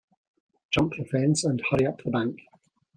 Jump the fence and hurry up the bank.